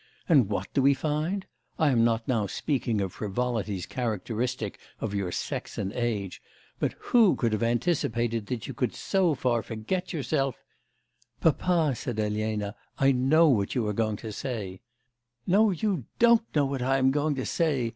And what do we find? I am not now speaking of frivolities characteristic of your sex, and age, but who could have anticipated that you could so far forget yourself ' 'Papa,' said Elena, 'I know what you are going to say ' 'No, you don't know what I am going to say!